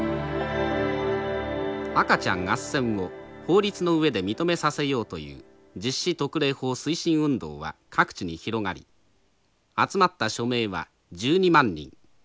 赤ちゃんあっせんを法律の上で認めさせようという実子特例法推進運動は各地に広がり集まった署名は１２万人。